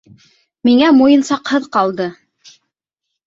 Миңә муйынсаҡһыҙ ҡалды!